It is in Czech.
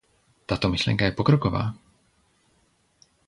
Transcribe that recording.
Tato myšlenka je pokroková.